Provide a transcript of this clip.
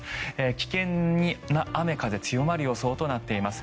危険な雨風強まる予想となっています。